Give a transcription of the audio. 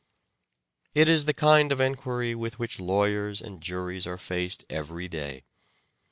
It is the kind of enquiry with which lawyers and juries are faced every day.